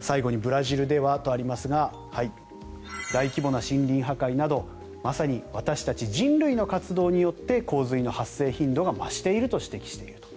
最後にブラジルではとありますが大規模な森林破壊などまさに私たち人類の活動によって洪水の発生頻度が増していると指摘していると。